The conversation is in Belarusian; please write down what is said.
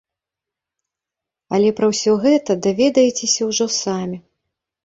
Але пра ўсё гэта даведаецеся ўжо самі!